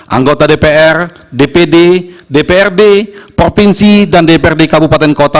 anggota dpr dpd dprd provinsi dan dprd kabupaten kota